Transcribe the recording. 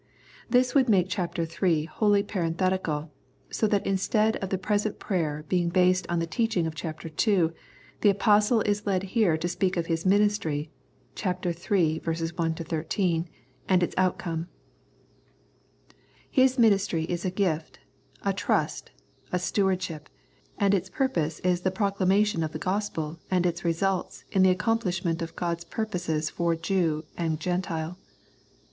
This would make ch. iii. wholly parenthetical, so that instead of the present prayer being based on the teaching of ch. ii. the Apostle is led here to speak of his ministry (ch. iii. I 1 3) and its outcome. His ministry is a gift, a trust, a stewardship, and its purpose is the proclamation of the Gospel and its results in the accomplishment of God's pur poses for Jew and Gentile.